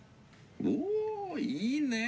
おいいね。